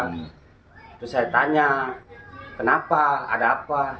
terus saya tanya kenapa ada apa